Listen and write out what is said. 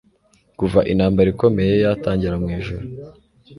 Kuva intambara ikomeye yatangira mu ijuru